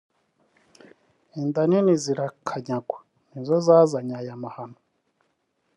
inda nini zirakanyagwa ni zo zazanye aya mahano